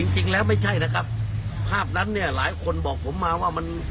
จริงแล้วไม่ใช่นะครับภาพนั้นเนี่ยหลายคนบอกผมมาว่ามัน